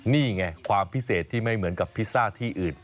นี่ไงความพิเศษที่ไม่เหมือนกับพิซซ่าที่อื่น